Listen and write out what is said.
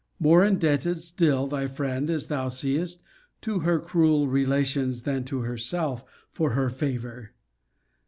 ] More indebted, still, thy friend, as thou seest, to her cruel relations, than to herself, for her favour!